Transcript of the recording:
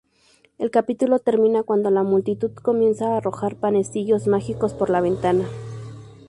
El capítulo termina cuando la multitud comienza a arrojar panecillos mágicos por la ventana.